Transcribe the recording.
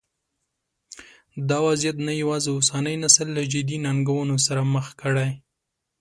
دا وضعیت نه یوازې اوسنی نسل له جدي ننګونو سره مخ کړی.